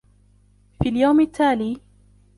في اليوم التالي